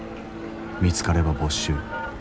見つかれば没収。